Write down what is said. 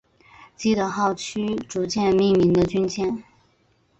基德号驱逐舰命名的军舰。